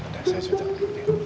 udah saya susit tangan